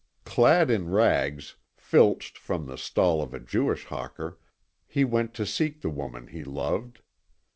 Clad in rags, filched from the stall of a Jewish hawker, he went to seek the woman he loved.